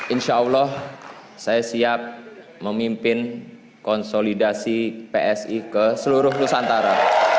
insya allah saya siap memimpin konsolidasi psi ke seluruh nusantara